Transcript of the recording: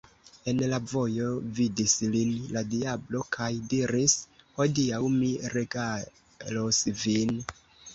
En la vojo vidis lin la diablo kaj diris: « Hodiaŭ mi regalos vin.